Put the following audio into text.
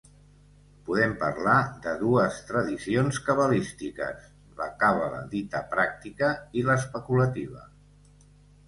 Podem parlar de dues tradicions cabalístiques: la càbala dita pràctica i l'especulativa.